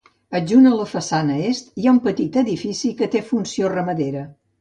Adjunt a la façana est, hi ha un petit edifici, que té funció ramadera.